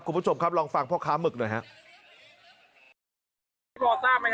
ครับคุณผู้ชมครับลองฟังพ่อค้ามึกหน่อยครับ